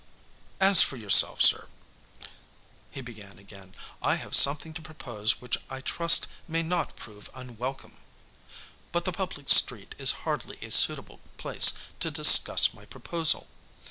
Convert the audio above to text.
"As for yourself, sir," he began again, "I have something to propose which I trust may not prove unwelcome. But the public street is hardly a suitable place to discuss my proposal.